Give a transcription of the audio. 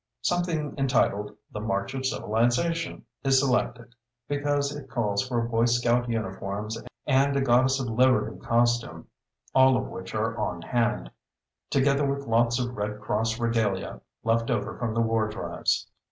Something entitled "The March of Civilization" is selected, because it calls for Boy Scout uniforms and a Goddess of Liberty costume, all of which are on hand, together with lots of Red Cross regalia, left over from the war drives.